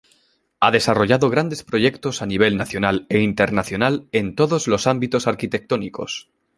Ha desarrollado grandes proyectos a nivel nacional e internacional en todos los ámbitos arquitectónicos.